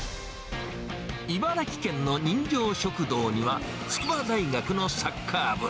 茨城県の人情食堂には、筑波大学のサッカー部。